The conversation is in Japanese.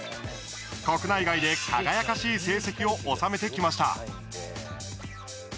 国内外で輝かしい成績を収めてきました。